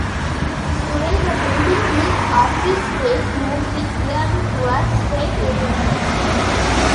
Today the building is office space, mostly geared towards state agencies.